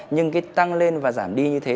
nhưng cái tăng lên và giảm đi như thế